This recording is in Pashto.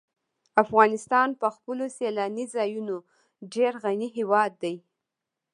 افغانستان په خپلو سیلاني ځایونو ډېر غني هېواد دی.